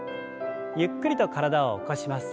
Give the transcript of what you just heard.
ゆっくりと体を起こします。